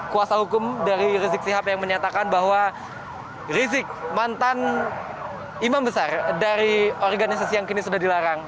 kuasa hukum dari rizik sihab yang menyatakan bahwa rizik mantan imam besar dari organisasi yang kini sudah dilarang